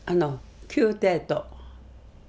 宮廷と。